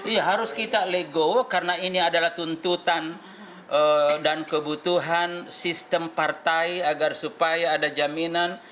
iya harus kita lego karena ini adalah tuntutan dan kebutuhan sistem partai agar supaya ada jaminan